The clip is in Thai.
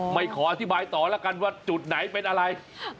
ขออธิบายต่อแล้วกันว่าจุดไหนเป็นอะไร